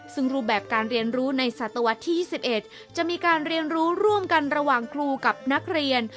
ซึ่งรูปแบบการเรียนรู้ในศตวรรษที่๒๑จะมีการเรียนรู้ร่วมกันระหว่างครูกับนักเรียน